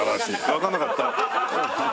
わからなかった？